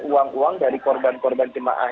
uang uang dari korban korban jemaah